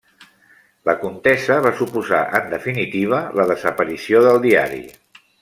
La contesa va suposar, en definitiva, la desaparició del diari.